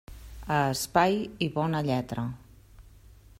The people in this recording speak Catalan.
A espai i bona lletra.